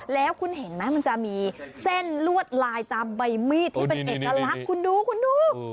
แล้วคุณเห็นไหมมันจะมีเส้นลวดลายตามใบมีดที่เป็นเอกลักษณ์คุณดูคุณดู